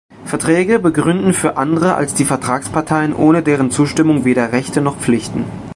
Verträge begründen für andere als die Vertragsparteien ohne deren Zustimmung weder Rechte noch Pflichten.